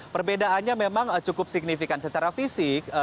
perbedaannya memang cukup signifikan secara fisik